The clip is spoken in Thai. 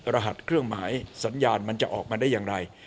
รหัสเครื่องหมายสัญญาณมันจะออกมาได้อย่างไร